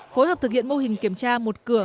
phối hợp thực hiện mô hình kiểm tra một cửa